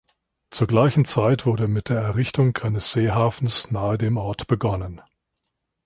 Zur gleichen Zeit wurde mit der Errichtung eines Seehafens nahe dem Ort begonnen.